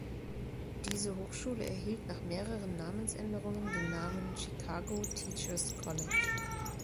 Diese Hochschule erhielt nach mehreren Namensänderungen den Namen „Chicago Teachers College“.